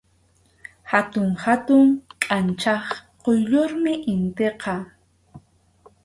Hatun hatun kʼanchaq quyllurmi initiqa.